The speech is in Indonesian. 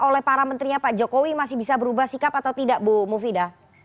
oleh para menterinya pak jokowi masih bisa berubah sikap atau tidak bu mufidah